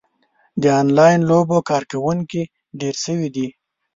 د انلاین لوبو کاروونکي ډېر شوي دي.